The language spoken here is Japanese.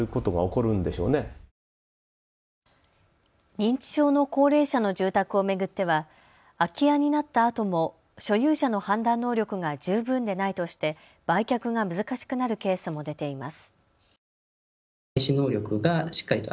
認知症の高齢者の住宅を巡っては空き家になったあとも所有者の判断能力が十分でないとして売却が難しくなるケースも出ています。